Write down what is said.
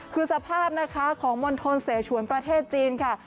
คือสภาพนะคะของมณฑลเสชวนประเทศจีนค่ะ